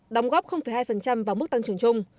đóng góp hai vào mức tăng trưởng trung